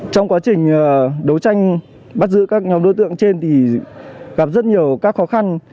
trong quá trình đấu tranh bắt giữ các nhóm đối tượng trên thì gặp rất nhiều các khó khăn